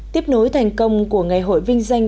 tiếp nối thành công của ngày hội vinh danh